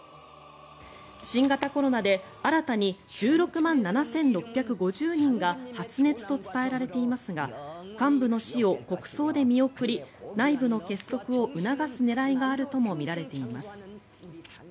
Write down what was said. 新型コロナで新たに１６万７６５０人が発熱と伝えられていますが幹部の死を国葬で見送り内部の結束を促す狙いがあるともみられています。